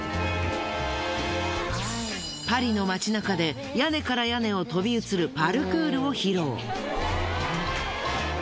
パリの街中で屋根から屋根を飛び移るパルクールを披露。